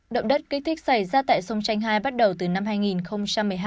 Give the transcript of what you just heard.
động đất kích thích xảy ra tại sông chanh hai bắt đầu từ năm hai nghìn một mươi hai